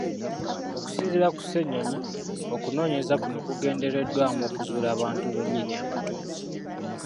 Okusinziira ku Ssenyonyi, okunoonyereza kuno kugendereddwamu okuzuula abantu bennyini abatuufu.